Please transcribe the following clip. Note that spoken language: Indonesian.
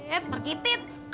eh pergi tit